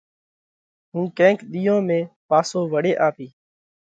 هُون ڪينڪ ۮِيئون ۾ پاسو وۯي آوِيه۔”